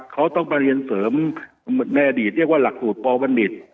เขาต้องไปเรียนเสริมในอดีตเรียกว่าหลักสูตรปวัณฑิต